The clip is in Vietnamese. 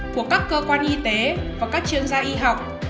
của các cơ quan y tế và các chuyên gia y học